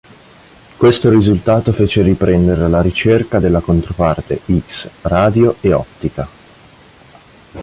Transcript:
Questo risultato fece riprendere la ricerca della controparte X, radio e ottica.